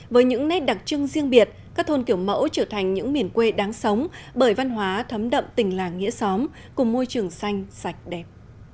với những nét đặc trưng riêng biệt các thôn kiểu mẫu trở thành những miền quê đáng sống bởi văn hóa thấm đậm tình làng nghĩa xóm cùng môi trường xanh sạch đẹp